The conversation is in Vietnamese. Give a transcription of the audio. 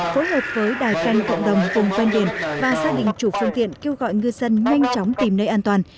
phối hợp với đài canh cộng đồng vùng văn điển và xác định chủ phương tiện kêu gọi ngư dân nhanh chóng tìm nơi an toàn